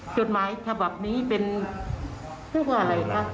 จดหมายฉบับนี้เป็นเรียกว่าอะไรคะ